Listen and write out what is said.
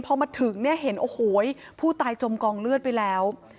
พอมาถึงเนี่ยเห็นโอ้โหผู้ตายจมกองเลือดไปแล้ว